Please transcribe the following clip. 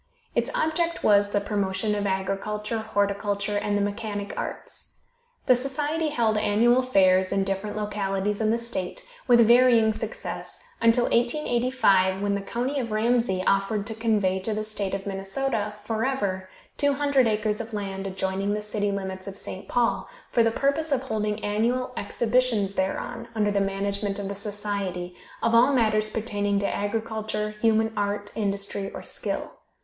Its object was the promotion of agriculture, horticulture and the mechanic arts. The society held annual fairs in different localities in the state, with varying success, until 1885, when the county of Ramsey offered to convey to the State of Minnesota, forever, two hundred acres of land adjoining the city limits of St. Paul, for the purpose of holding annual exhibitions thereon, under the management of the society, of all matters pertaining to agriculture, human art, industry or skill.